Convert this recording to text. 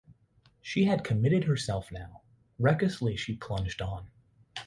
She had committed herself now; recklessly she plunged on.